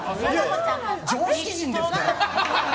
常識人ですから。